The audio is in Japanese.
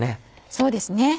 そうですね。